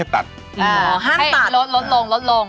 อ๋อห้ามตัดลดลง